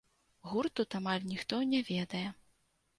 Гурт тут амаль ніхто не ведае.